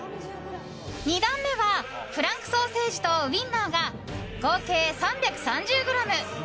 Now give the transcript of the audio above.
２段目はフランクソーセージとウインナーが合計３３０ｇ。